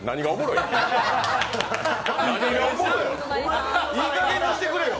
いいかげんにしてくれよ！